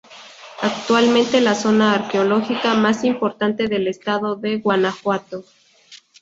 Actualmente la zona arqueológica más importante del estado de Guanajuato.